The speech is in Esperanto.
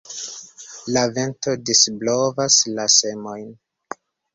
La vento disblovas la semojn.